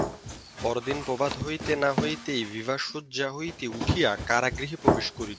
পরদিন প্রভাত হইতে না হইতেই বিভা শয্যা হইতে উঠিয়া কারাগৃহে প্রবেশ করিল।